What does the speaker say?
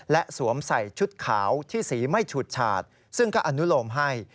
และสวมใส่ชุดขาวที่สีไม่ฉุดฉาดซึ่งก็อนุโลมให้